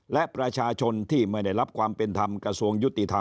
และประชาชนที่ไม่ได้รับความเป็นธรรมกระทรวงยุติธรรม